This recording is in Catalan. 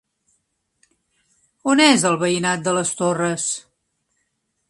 On és el veïnat de les Torres?